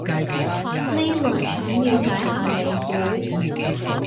呢輪想了解下美股